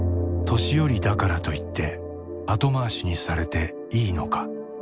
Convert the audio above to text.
「年寄りだからといって後回しにされていいのか。